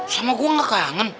sama gue gak kangen